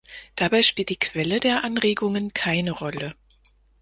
Dabei spielt die Quelle der Anregungen keine Rolle.